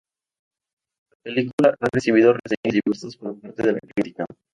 La película ha recibido reseñas diversas por parte de la crítica.